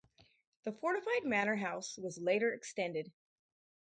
The fortified manor house was later extended.